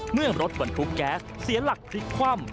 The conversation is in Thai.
เมื่อรถบรรทุกแก๊สเสียหลักพลิกคว่ำ